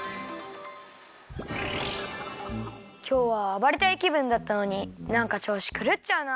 きょうはあばれたいきぶんだったのになんかちょうしくるっちゃうな。